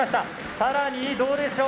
さらにどうでしょう？